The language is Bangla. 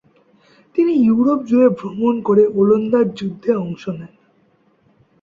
তিনি ইউরোপ জুড়ে ভ্রমণ করে ওলন্দাজ যুদ্ধে অংশ নেন।